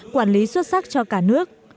quản lý xuất sắc cho cả nước